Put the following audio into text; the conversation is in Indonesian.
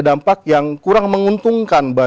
dampak yang kurang menguntungkan